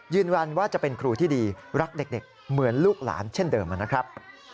ยืนยันว่าจะเป็นครูที่ดีรักเด็กเหมือนลูกหลานเช่นเดิมนะครับ